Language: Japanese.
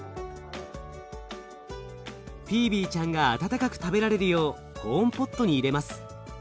フィービーちゃんが温かく食べられるよう保温ポットに入れます。